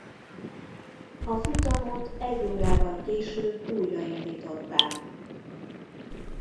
A futamot egy órával később újraindították.